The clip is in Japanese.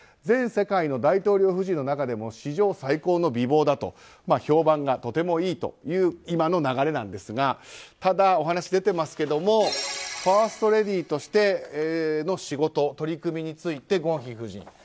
全世界の大統領夫人の中でも史上最高の美貌だと評判がとてもいいという今の流れなんですがただ、お話が出ていますがファーストレディーとしての仕事、取り組みについてゴンヒ夫人。